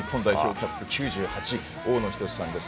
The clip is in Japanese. キャップ９８大野均さんです。